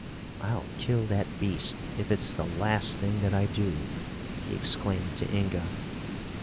"I'll kill that beast, if it's the last thing that I do!" he exclaimed to Inga.